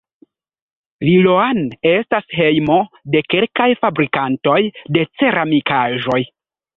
Liloan estas hejmo de kelkaj fabrikantoj de ceramikaĵoj.